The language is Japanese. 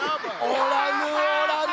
「おらぬおらぬ」。